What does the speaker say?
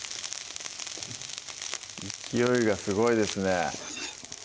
勢いがすごいですね